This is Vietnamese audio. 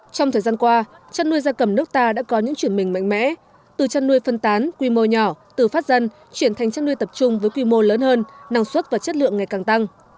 trong thời gian qua chăn nuôi gia cầm nước ta đã có những chuyển mình mạnh mẽ từ chăn nuôi phân tán quy mô nhỏ từ phát dân chuyển thành chăn nuôi tập trung với quy mô lớn hơn năng suất và chất lượng ngày càng tăng